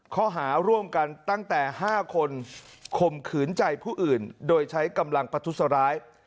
ข้อหาร่วมกันตั้งแต่๕คนข่มขืนใจผู้อื่นโดยใช้กำลังประทุษร้าย